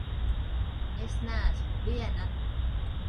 Es neesmu viena!